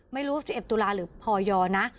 ไม่รู้ว่า๑๑ตุลาคมหรือพอยอร์นะ